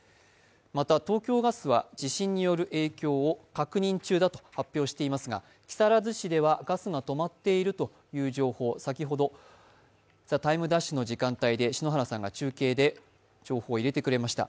また、東京ガスは地震による影響を確認中だと発表していますが木更津市ではガスが止まっているという情報、先ほど「ＴＨＥＴＩＭＥ’」の時間帯で篠原さんが中継で情報を入れてくれました。